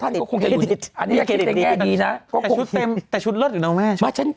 เกดิตแต่ชุดเลิศอีกแล้วแม่